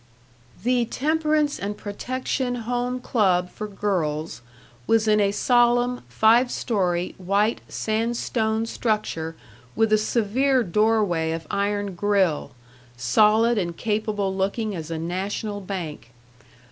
The Temperance and Protection Home Club for Girls was in a solemn, five story, white sandstone structure with a severe doorway of iron grill, solid and capable looking as a national bank.